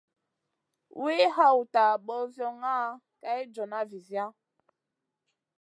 Wi hawta ɓozioŋa kay joona viziya.